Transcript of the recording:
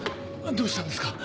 どうしたんですか？